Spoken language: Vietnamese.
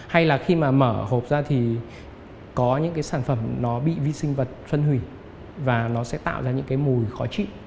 hay là khi mà mở hộp ra thì có những cái sản phẩm nó bị vi sinh vật phân hủy và nó sẽ tạo ra những cái mùi khó chịu